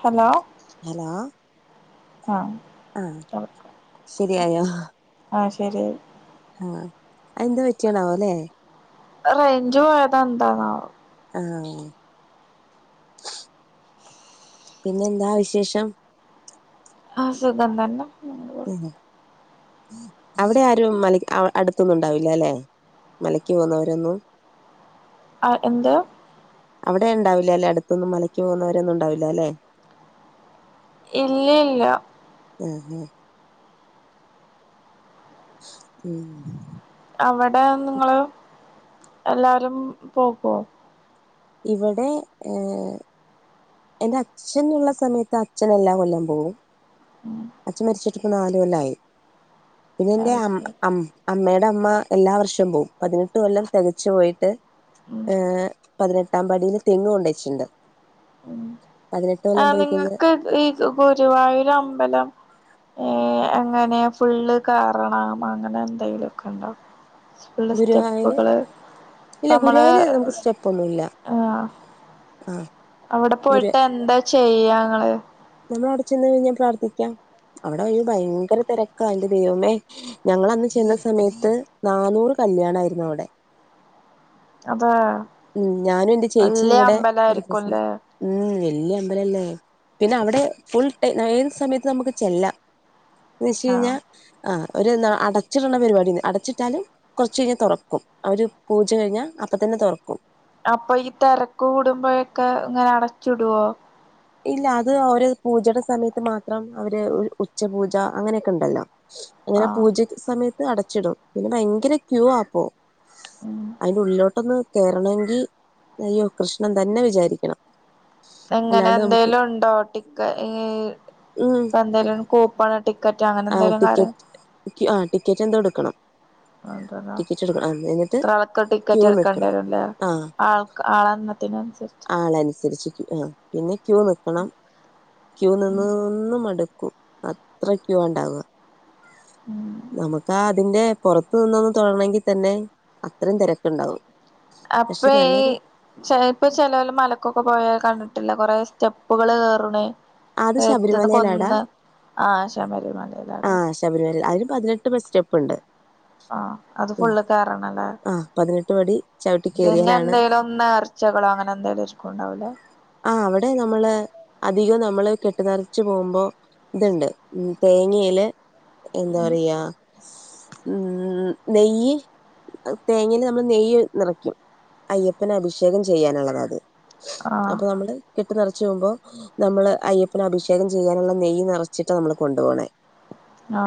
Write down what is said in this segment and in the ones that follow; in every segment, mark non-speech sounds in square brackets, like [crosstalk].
Hello hello ആഹ് ആഹ് ശരിയായോ ആ ശെരിയായി ആഹ് അതെന്ത്പറ്റിയാണാവോ ലേ അഹ് റൈഞ്ച് പോയതോ എന്താന്നാവോ ആഹ് പിന്നെന്താ വിശേഷം ആഹ് സുഖം തന്നെ ഉം ഹും അവിടെ ആരും മല അടുത്തൊന്നും ഉണ്ടാവില്ല അല്ലെ മലക്ക് പോവുന്നവരൊന്നും [unintelligible] ആഹ് എന്തോ അവിടെ ഇണ്ടാവില്ല അല്ലേ അടുത്തൊന്നും മലക്ക് പോവുന്നവരൊ ന്നും ഉണ്ടാവില്ല അല്ലെ ഇല്ല ഇല്ല ഉം ഹും ഉം അവിടെ നിങ്ങള് എല്ലാരും പോകോ ഇവടെ ഏഹ് എന്റെച്ഛന്ള്ള സമയത്ത് അച്ഛനെല്ലാകൊല്ലവും പോവും ഉം അച്ചൻ മരിച്ചിട്ട്പ്പോ നാല് കൊല്ലായി ഇവന്റെ അത് അം ശരി അം അമ്മേടമ്മ എല്ലാ വർഷവും പോവും പതിനെട്ട് കൊല്ലം തെകച്ചു പോയിട്ട് ഉം ഏഹ് പതിനെട്ടാം പടിയിൽ തെങ് കൊണ്ടെച്ചിണ്ട് ആ കഴിഞ്ഞ നിങ്ങക്ക് ഈ ഗുരുവായൂരമ്പലം ഏ അങ്ങനെ ഫുള്ള് കേറണം അങ്ങനെന്തേലൊക്കെണ്ടോ ഉള്ള ഗുരുവായൂര് സ്റ്റെപ്പുകള് ഇല്ല പ്പമ്മള് ഗുരുവായൂര് നമുക്ക് സ്റ്റെപ്പ് ഒന്നുല്ല ആഹ് ആഹ് അവിടെ പോയിട്ടെന്താ ചെയ്യാങ്ങള് നമ്മളിവിടെ ചെന്ന് കഴിഞ്ഞാ പ്രാർത്ഥിക്കാം അവിടെ അയ്‌ന് ഭയങ്കര തെരക്കാ ന്റെ ദൈവമേ ഞങ്ങളന്ന് ചെന്ന സമയത്ത് നാനൂറ് കല്യാണായിരുന്നു അവിടെ അതേ ഉം ഞാനും ന്റെ ചേച്ചിയും കൂടെ ഒരു കസിനും ഉം വല്യ അമ്പലല്ലേ പിന്നവിടെ ഫുൾ ടൈ ഏത് സമയത്ത് നമുക്ക് ചെല്ലാം എന്ന് ആഹ് വെച്ച്കഴിഞ്ഞാ- ആഹ് ഒരു ന അടച്ചിടുന്ന പരിപാടി ഒന്നുല്ല അടച്ചിട്ടാലും കൊർച്ചഴിഞ്ഞ തൊറക്കും. അവര് പൂജ കഴിഞ്ഞാ അപ്പ തന്നെ തൊറ- അപ്പൊ ഈ തെരക്ക് കൂടുമ്പോഴൊക്കെ ഇങ്ങനെ അടച്ചിടുവോ ഇല്ല അത് അവര് പൂജയുടെ സമയത്ത് മാത്രം അവര് ഉച്ചപൂജ അങ്ങനെയൊക്കെണ്ടല്ലോ ങ്ങനെ ആഹ് പൂജ സമയത്ത് അടച്ചിടും പിന്നെ ഭയങ്കര ക്യൂവാഅപ്പോ ഉം അയ്ന്റെ ഉള്ളിലോട്ടൊന്ന് കേറണവെങ്കി അയ്യോ കൃഷ്ണൻ തന്നെ വിചാരിക്കണം പ്പ എങ്ങനെ അല്ലാണ്ട് നമുക്ക് എന്തേലും ഉണ്ടോ ടിക്ക ഈ ഈ ഉം എന്തേലും [unintelligible] കൂപ്പണ് ടിക്കറ്റ് അങ്ങനെ എന്തേയ്ലും കാര്യം ടിക് ആഹ് ടിക്കറ്റ് എന്തേ ഇട്ക്കണം അതേ ല്ലേ ഇത്രാ ആൾക്ക് ക്യൂ ടിക്കറ്റ് നിക്കണം എട്ക്കെണ്ടെരുംല്ലേ ആൾക്ക് ആളണ്ണത്തിനനുസരിച്ച് ആളനുസരിച്ചിട്ട് ആഹ് പിന്നെ ക്യൂ നിക്കണം ക്യൂ ഉം നിന്ന്നിന്ന് മട്ക്കും അത്ര ക്യുവാ ഇണ്ടാവാ ആഹ് നമുക്കാതിന്റെ പൊറത്ത് നിന്നൊന്ന് തൊഴണങ്കിൽ തന്നെ അത്രയും തെരക്ക്ണ്ടാവും അപ്പൊ ഈ ചെൽപ്പൊ ചെലോല് മലക്കൊക്കെ പോയാ കണ്ടിട്ടില്ലേ കൊറേ സ്റ്റെപ്പുകള് കേറ്ണ് അത് എത്ത്ന്ന ശബരിമലയിലാടാ കുന്ന് ആഹ് ശബരിമലയിലാല്ലേ ആഹ് ശബരിമലേല് അതിന് പതിനെട്ട് സ്റ്റെപ്പ്ണ്ട് ആഹ് അത് ഫുള്ള് കേറണംല്ലേ പതിനെട്ട് പടി ചവിട്ടി പിന്നെ കേറിയാലാണ് എന്തെങ്കിലും നേർ ച്ചകളോ അങ്ങനെന്തേലും ഏര്ക്കുണ്ടാവുംല്ലേ ആഹ് അവിടെ നമ്മള് അധികം നമ്മള് കെട്ട് നെറച്ച് പോകുമ്പൊ ഇത്ണ്ട് ഉം തേങ്ങയില് എന്താ പറയാ ഉം നെയ്യ് അഹ് തേങ്ങയില് നമ്മള് നെയ്യ് നിറയ്ക്കും അയ്യപ്പന് അഭിഷേകം ചെയ്യാന്ള്ളതാ അത് ആഹ് അപ്പൊ നമ്മള് കെട്ട് നെറച്ച് പോകുമ്പോ നമ്മള് അയ്യപ്പന് അഭിഷേകം ചെയ്യാനുള്ള നെയ്യ് നെറച്ചിട്ടാ നമ്മള് കൊണ്ടുപോണേ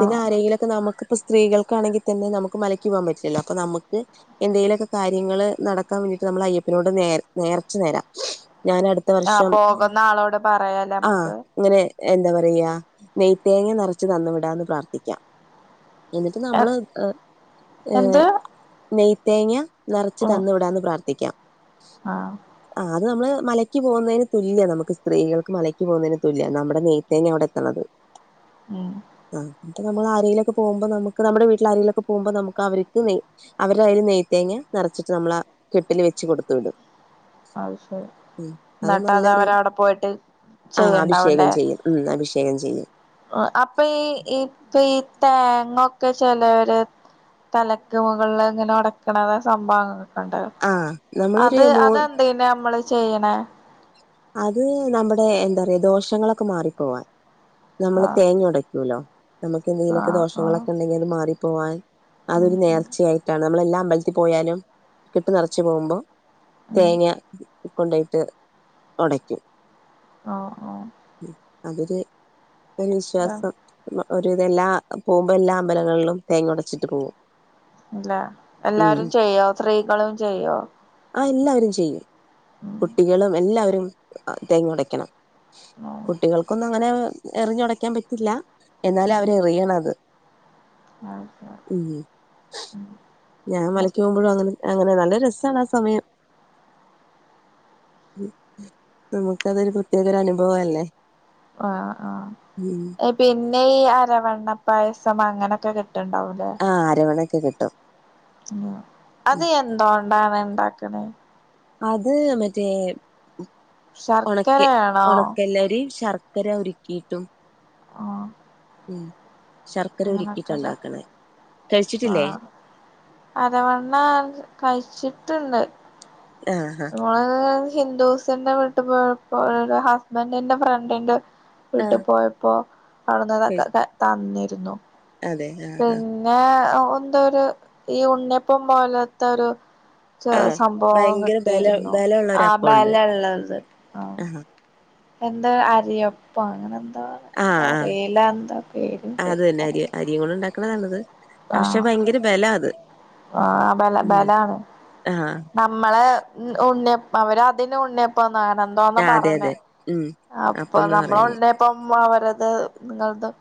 പിന്നെ ആരേങ്കിലൊക്കെ നമുക്ക്പ്പ സ്ത്രീകൾക്കാണെങ്കിതന്നെ നമുക്ക് മലയ്ക്ക് പോവാൻ പറ്റില്ലല്ലോ അപ്പൊ നമ്ക്ക് എന്തേലു ഒക്കെ കാര്യങ്ങള് നടക്കാൻ വേണ്ടിട്ട് നമ്മള് അയ്യപ്പനോട് നേ നേർച്ച നേരാം ഞാൻ അട് ത്ത ആഹ് വർഷം പോകുന്ന ആളോട് പറയാലേ ആഹ് നമ്മക്ക് ഇങ്ങനെ എന്താ പറയാ നെയ്തേങ്ങ നെറച്ച് തന്ന് വിടാ എന്ന് പ്രാർത്ഥിക്ക്യാ എന്നിട്ട് നമ്മ്ള് ഏഹ് എന്ത് നെയ് തേങ്ങ നിറച്ച് ഉം തന്നു വിടാന്ന് പ്രാർത്ഥിക്ക്യാം ആഹ് ആഹ് അത് നമ്മ്ള് മലയ്ക്ക് പോകുന്നേന് തുല്യ നമുക്ക് സ്ത്രീകൾക്ക് മലയ്ക്ക് പോകുന്നതിന് തുല്യാ നമ്മടെ നെയ്തേങ്ങ അവിടെ എത്ത്ണത് ഏഹ് ആഹ് ഇഞ് ഇപ്പ നമ്മള് അരേലൊക്കെ പോകുമ്പോ നമ്ക്ക് നമ്മുടെ വീട്ടില് ആരേലൊക്കെ പോകുമ്പോ നമ്ക്ക് അവര്ക്ക് നെ അവര്ടെ കയ്യില് നെയ്ത്തേങ്ങ നെറച്ച്ട്ട് നമ്മളാകെട്ടില് വെച്ച് കൊട്ത്ത് വിടും. ആവു ശെരി. ഉം അത് ന്നട്ട് അത്‌ നല്ലൊരു അവര് അവ്ടെ പോയിട്ട് ആഹ് അഭിഷേകം ചെയ്യ്ണ്ടാവുംല്ലേ. ചെയ്യും ഉം അഭിഷേകം ചെയ്യും അപ്പ ഈ ഇപ്പ ഈ തേങ്ങൊക്കെ ചെലോര്. തലക്ക് മുകൾല് അങ്ങനെ അട്ക്കണക്കെ സംഭവങ്ങളൊക്കെ ഇണ്ടല്ലോ ആഹ് നമ്മളൊരു അത് എ മൂ ന്തിനാ അമ്മള് ചെയ്യ്ണേ അത് നമ്മടെ എന്താറിയാ ദോഷങ്ങളൊക്കെ മാറിപ്പോവാൻ നമ്മള് ആഹ് തേങ്ങയൊട ക്കൂലോ, നമക്ക് എന്തെങ്കിലൊക്കെ ആഹ് ആഹ് ദോഷങ്ങളൊക്കെ ഇണ്ടെങ്കിഅത് മാറിപ്പോവാൻ. ഉം അതൊരു ഉം നേർച്ചയായിട്ടാണ് നമ്മള് എല്ലാ അമ്പലത്തിൽ പോയാലും കെട്ട് നെറച്ച് പോകുമ്പൊ ഉം തേങ്ങ്യ കൊണ്ടോയിറ്റ് ഓടയ്ക്കും. ആഹ് ആഹ് അതാണ്. അതില്ഒരുവിശ്വാസം. ഒരുവിതഎല്ലാ പോകുമ്പോ എല്ലാ അമ്പലങ്ങളിലും തേങ്ങ ഒട്ച്ചിട്ട് പോകും. എല്ല ഉം എല്ലാരും ചെയ്യോ സ്ത്രീകളും ചെയ്യോ? ആഹ് എല്ലാവരും ചെയ്യും ഉം കുട്ടികളും എല്ലാവരും തേങ്ങൊടക്കണം. കുട്ടികൾക്കൊന്നുംങ്ങനെ എറിഞ്ഞൊടക്കാൻ പറ്റില്ല എന്നാലും ഉം അവരെറിയണം അത്. ഉം ഞാൻ മലയ്ക്ക് പോകുമ്പോഴും അങ്ങനെ അങ്ങനെ നല്ല രസാണ് ആ സമയം നമുക്ക അതൊരു പ്രത്യേകൊരു അനുഭവല്ലേ. ആഹ് ഉം ആഹ് പിന്നെ ഈ അരവണ്ണ പായസം അങ്ങനൊക്കെ കിട്ട്ണ്ടാവ ആഹ് അരവണ്ണൊക്കെ കിട്ടും. ഉം അത് എന്തോണ്ടാണ് ഇണ്ടാക്ക്ണ്. അത് മറ്റേ. ഉണക്കെ ശർക്കരയാണോ ഉണക്കല്ലരി ശർക്കര ഉരുക്കീട്ടും. ആഹ്. ഉം. ശർക്കര അങ്ങനൊക്കെല്ലേ ഉരുക്കീട്ടാണ്ട്ക്ക്ണ്, കഴ്ച്ചിട്ടില്ലേ? ആഹ് അരവണ്ണ കഴ്ച്ച്ട്ട്ണ്ട്. ആഹ് ആഹ്. ആഹ് ഹിന്ദൂസിന്റെ വീട്ട് പോയപ്പോ ഹസ്ബൻഡിന്റെ ഫ്രണ്ടിന്റെ. വീട്ട് പോയപ്പോ ആഹ് അവിട്ന്നതൊക്കെ തന്നിരുന്നു. അതെ. ആഹ് ആഹ് പിന്നെ എന്തൊരു ഈ ഉണ്ണിയപ്പം പോലേത്തൊരു. ചെ ആഹ് സംഭവം ഭയങ്കര ബല കിട്ടിയിരുന്നു ബലള്ള ഒരു ആ അപ്പമുണ്ട് ബലള്ളത് ആഹ്. എന്താ അരിയപ്പം അങ്ങനെന്തോ. ആഹ് ആഹ് ക്കറീല എന്താ പേര് ശെരിക്കറീല. ണത്, പക്ഷെ ഭയങ്കര ബലാത്. ആഹ് ബല ബലാണ്. ആഹ് നമ്മളെ ഉണ്ണിയപ് അവര് അതിന് ഉണ്ണിയപ്പംന്നാങ്ങനെ ന്തോന്ന ആഹ് അതെ പറഞ്ഞേ അതെ ഉം അപ്പൊ അപ്പംന്ന് നമ്മള പറയുന്നത് ഉണ്ണിയ പ്പം അവരത് നിങ്ങൾതും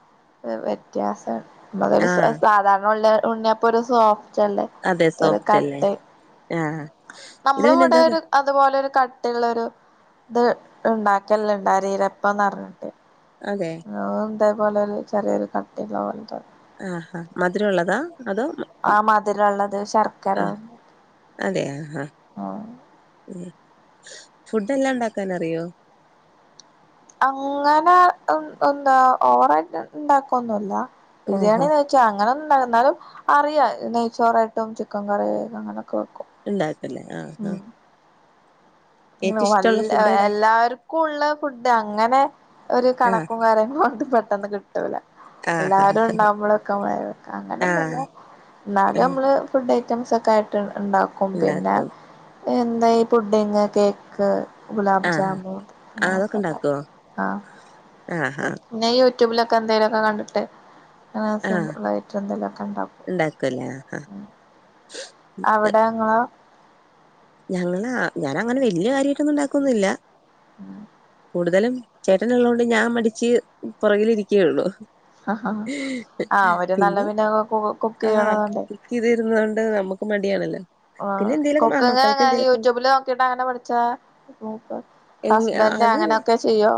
വ്യത്യാസാണ്. നമ്മൾതൊരു ആഹ് സാധാരണ ഉ ഉണ്ണിയപ്പോരു സോഫ്റ്റല്ലേ. അതെ സോഫ്റ്റ് അല്ലേ ഇതൊഒരുക്കട്ടെ ആഹ് ഇത് പിന്നെ നമ്മളവ്ടെ എന്താന്നാ ഒരു. അതുപോലെ ഒരു കട്ടിയുള്ളരു ഇത് ഉണ്ടാക്കല്ണ്ട് അരീരപ്പംന്ന് പർഞ്ഞ്ട്ട്. അതെ. ഞങ്ങളും ഇതേപോലെ ഒരു ചെറിയൊരു കട്ടിള്ള പോൽതെ ആഹാ മധുരംള്ളതാ അതോ. ആഹ് മതുരള്ളത് ശർക്കര. ആഹ് ഉം. ഉ ഫുഡ് എല്ലാം ഉണ്ടാക്കാൻ അറിയോ അങ്ങനെ എന്താ ഓറായിട്ട് ഇണ്ടാക്ക ഒന്നുംല്ല ഓഹോ ബിരിയാണി നയ് അങ്ങനെണ്ടായിരുന്നാലും അറിയാം നെയ്ച്ചോറായിട്ടും ചിക്കൻ കറി അങ്ങനൊക്കെ വെക്കും ഇണ്ടാക്കല്ലേ ആഹ് ആഹ് ഉം ഏറ്റവും ഇഷ്ടമുള്ള വല്ല ഫുഡ് ഏതാ എല്ലാരും സ്കൂള്ളെ ഫുഡ് അങ്ങനെ ഒരു ആഹ് കണക്കും കാര്യങ്ങളും കൊണ്ട് പെട്ടെന്ന് കി ട്ടൂല ആഹ് എല്ലാരും ഉണ്ടാവകുമ്പോഴൊക്കെ മഴ വെക്ക അങ്ങനെ ഒന്നല്ല ആഹ് ഇന്നാലും ആഹ് നമ്മള് ഫുഡ് ഐറ്റംസ് ഒക്കെ ആയിട്ട് ഉണ്ടാക്കും പിന്നെ ഉണ്ടാക്കും എന്താ ഈ പുഡിങ് കേക്ക് ഗുലാബ് ആഹ് ജാമുൻ അതൊക്കെ ഒക്കെണ്ടാക്കും ഉണ്ടാക്കുവോ ആഹ് ആഹ് ആഹ് പിന്നെ യൂറ്റൂബ് ലൊക്കെ എന്തേലൊക്കെ കണ്ട്ട്ട് അങ്ങനെ ആഹ് സിംപിളായ്റ്റ് എന്തെലുക്കെണ്ടാകും ഉണ്ടാക്കുവല്ലേ അവ്ടേങ്ങളോ ഞങ്ങളാ ഞാനങ്ങനെ വല്യ കാര്യായ്ട്ടൊന്നും ണ്ടാക്കൊന്നുംല്ല [inaudible] കൂടുതലും ചേട്ടന് ഉള്ളത് കൊണ്ട് ഞാൻ മടിച്ച് പൊറകിലിരിക്കേ ഒള്ളൂ പിന്നേ ഞങ്ങക്കും ഓക്കും ആ കുക്ക് ചെയ്ത് തരുന്നതോണ്ട് നമ്മുക്ക് മടിയാണല്ലോ ആ പിന്നെ എന്തേലൊക്കെ ആഹ് മക്കൾക്ക് കൊക്കിങ്ങ് എന്തേലൊക്കെ യൂറ്റൂബ് ല് നോക്കിയിട്ട് അങ്ങനെ പഠിച്ചാ എങ്ങ ഹസ്ബന്റ് അങ്ങനെയൊക്കെ ചെയ്യോ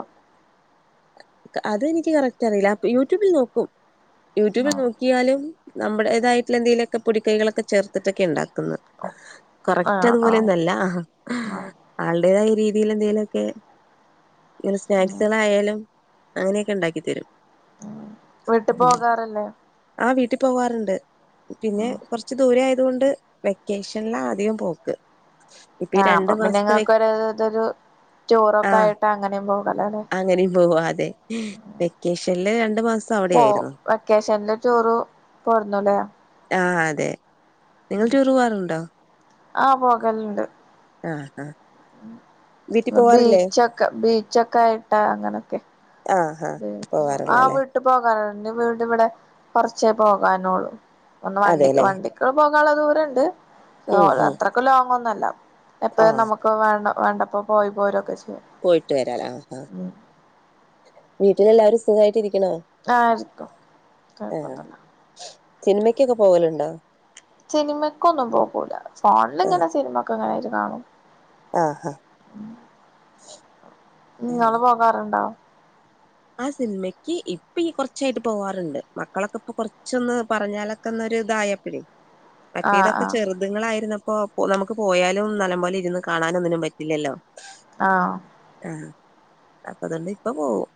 അത് എനിക്ക് കറക്റ്റ് അറിയില്ല അപ്പൊ യൂറ്റൂബിൽ നോക്കും യൂറ്റൂബിൽ ആഹ് നോക്കിയാല് നമ്മുടേതായിട്ട്ള്ള എന്തേലൊക്കെ പൊടിക്കൈകളൊക്കെ ചേർത്തിട്ടൊക്കെ ഉണ്ടാക്കുന്നത് കറക്റ്റ് ആഹ് ആഹ് അതുപോലെന്നല്ല ആള്ടേതായ രീതിയില് എന്തേലൊക്കെ ഇങ്ങനെ ഉം സ്നാക്സുകളായാലും അങ്ങനെയൊക്കെ ണ്ടാക്കിത്തരും വീട്ട് പോകാറ്ല്ലേ ആ വീട്ടി പോവാറ്ണ്ട് പിന്നെ ഉം കൊർച്ച് ദൂരെ ആയത് കൊണ്ട് വെക്കേഷനിലാ അധികം പോക്ക് ഇപ്പൊ ആ ഈ അപ്പൊ രണ്ടു പിന്നെ മാസത്തെ വെ ഇങ്ങക്കൊര് തൊരു റ്റൂറൊക്കെ ആയിട്ട് അങ്ങനേം പോകാല്ലോ ലേ പോവാലെ വെക്കേഷൻല് രണ്ട് മാസ് പോ വെക്കേഷൻല് ടൂറ് പോര്ന്നു ലേ ആ അതെ നിങ്ങൾ റ്റൂറു പോവാറുണ്ടോ ആ പോകല്ണ്ട് ആഹ് ആഹ് വീട്ടിൽ പ്പ പോവാറില്ലേ ബീച്ചൊക്കെ ബീച്ചൊക്കെ ആയിട്ടാ അങ്ങനൊക്കെ ആ ഹാ ആ പോവാറുള്ളത് അല്ലേ വീട്ട് പോകാറ്ണ്ട് ന്റെ വീട് വ്ടെ കൊർച്ചേ പോകാനൊള്ള് ഒന്ന് വണ്ടിക്ക് അതെല്ലേ വണ്ടി ക്ക്‌ പോകാള്ള ദൂരണ്ട് പക്ഷെ ഉം ഓള ഉം അത്രക്ക്‌ ലോങ്ങ്‌ ഒന്നും അല്ല എപ്പഴും ആഹ് നമുക്ക് ക്ക്‌ വേണ്ട വേണ്ടപ്പോ പോയി പോരൊക്കെ ചെയ്യ പോയിട്ട് വരാലേ ആ ആ വീട്ടിലെല്ലാവരും സുഖയിട്ട് ഇരിക്കണോ ആ സുഖം ആ ഹാ സിൽമക്കെക്ക പോവല്ണ്ടാ സിനിമക്കൊന്നും പോകൂല ആഹ് ഫോൺല്ങ്ങനെ സിനിമ ഒക്കെ ഇങ്ങനെ ഇര്ന്ന് കാണും ആഹ് ആഹ് വേറണ്ടാ ആ സിനിമയ്ക്ക് ഇപ്പ ഈ കൊർച്ചായിട്ട് പോവാറുണ്ട് മക്കളൊക്കെ ഇപ്പൊ കൊർച്ചൊന്ന് പറഞ്ഞാലൊക് ഒക്കൊന്നൊര് തായപ്പഴേ ആഹ് മറ്റേതൊക്കെ ആഹ് ചെറ് ത്ങ്ങളായിരുന്നപ്പോ നമുക്ക് പോയാലും നല്ലം പോലെ ഇരുന്ന് കാണാനൊന്നിനും പറ്റില്ലല്ലോ ആഹ് ആ അപ്പൊ അതോണ്ട് ഇപ്പ പോകും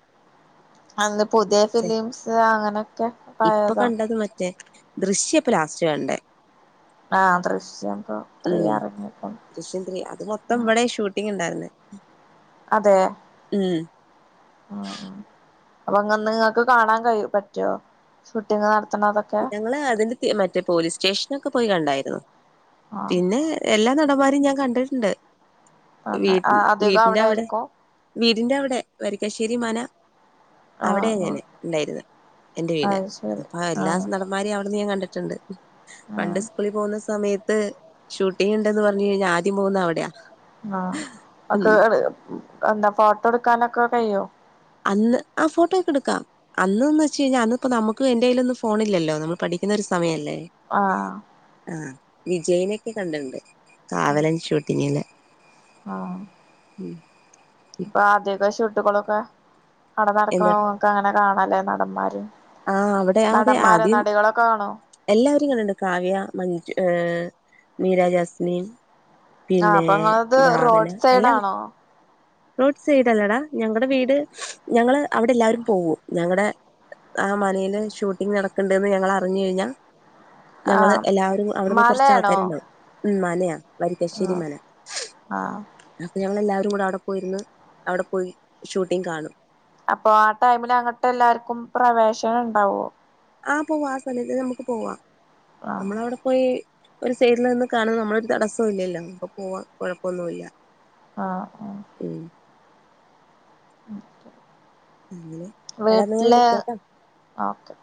അന്ന് പുതിയ ഫിലിംസ് അങ്ങനെക്കെ പഴേതോ ഇത് മറ്റേ ദൃശ്യേ പ്പ ലാസ്റ്റ് കണ്ടേ ആഹ് ദൃശ്യം ഇപ്പൊ ത്രീ ഉം ഇറങ്ങിയപ്പം ദൃശ്യം ത്രി അത് മൊത്തം ഇവിടെ ഷൂട്ടിംഗ് ഉണ്ടായിരുന്നത് ഉം അതെ ആഹ് അപ്പൊ അങ്ങങ്ന്ന് നിങ്ങൾക്ക് കാണാൻ പറ്റോ ഷൂട്ടിങ് നടത്തണതൊക്കെ ഞങ്ങള് അതിന്റെ മറ്റേ പോലീസ് സ്റ്റേഷനൊക്കെ പോയി കണ്ടായിരുന്നു ആഹ് പിന്നെ എല്ലാ നടന്മാരയും ഞാൻ കണ്ടിട്ടുണ്ട് വീ അങ്ങനെ അധികം വീടിന്റെ അവിടെ ആയിരിക്കും വീടിന്റെ അവിടെ വരിക്കാശ്ശേരി മന അവിടെ ആഹ് ഞാന് ഉണ്ടായിര്ന്ന് എന്റെ വീട് അത് ശരി അപ്പൊ എല്ലാ ആഹ് നടൻമാരി അവിടുന്ന് ഞാൻ കണ്ടിട്ടുണ്ട് പണ്ട് ആഹ് സ്കൂളിൽ പോകുന്ന സമയത്ത് ഷൂട്ടിങ്ണ്ടന്ന് പറഞ്ഞ് കഴിഞ്ഞാ ആദ്യം പോകുന്നാ അവിടയാ ആഹ് ഒക്കെ എന്താ ഫോട്ടോ എടുക്കാനൊക്കെ കയ്യോ അന്ന് ആഹ് ഫോട്ടോയൊക്കെ എടുക്കാം അന്ന്ന്ന് വെച്ച് കഴിഞ്ഞാൽ അന്ന് ഇപ്പോ നമുക്ക് എന്റെ കയ്ലൊന്നും ഫോണില്ലല്ലോ നമ്മൾ പഠിക്കുന്ന ഒരു സമയമല്ലേ ആഹ് ആഹ് വിജയിനൊക്കെ കണ്ടിണ്ട് കാവലൻ ഷൂട്ടിങ്ങില് ആഹ് ഇപ്പൊ ആദ്യൊക്കെ ഷുട്ടുകളൊക്കെ അവിടെ എന്താ നടക്കണു ഒക്കെ അങ്ങനെ കാണല്ലേ നടന്മാര് ആഹ് നടന്മാരെ നടികളൊക്കെ കാണോ എല്ലാവരെയും കണ്ട്ണ്ട് കാവ്യ മഞ്ജു മീരാ ജാസ്മിന് ആഹ് പിന്നെ അപ്പൊ നിങ്ങളത് ഭാവന റോഡ് സൈഡ് എല്ലാവരും ആണോ റോഡ് സൈഡല്ലേടാ ഞങ്ങടെ വീട് ഞങ്ങള് അവിടെ എല്ലാവരും പോകും ഞങ്ങടെ ആ മനയില് ഷൂട്ടിംഗ് നടക്കുന്നുണ്ടന്ന് ഞങ്ങൾ അറിഞ്ഞു കഴിഞ്ഞാൽ ഞങ്ങള് ആഹ് എല്ലാവരും അവിടുന്ന് കുറച്ച് മലയാണോ ആൾക്കാരുണ്ടാവും ഉം മനയാ ആഹ് വരിക്കശ്ശിരിമന ആഹ് അപ്പൊ ഞങ്ങളെല്ലാവരും കൂടെ അവിടെ പോയിരുന്ന് അവിടെ പോയി ഷൂട്ടിങ് കാണും അപ്പൊ ആ ടൈമില് അങ്ങോട്ട് എല്ലാർക്കും പ്രവേശനം ഉണ്ടാവുമോ ആഹ് പോവാ ആ സമയത്ത് നമുക്ക് പോവാം ആഹ് നമ്മളവിടെ പോയി ഒരു സൈഡിൽ നിന്നും കാണുന്ന നമ്മളൊരു തടസ്സം ഇല്ലല്ലോ അപ്പൊ പോവാൻ കുഴപ്പമൊന്നുല്ല ആഹ് ആഹ് ഉം അങ്ങനെ എടാ എന്നാ ഞാൻ വീട്ടില് വിളിക്കാട്ടോ ഓക്കെ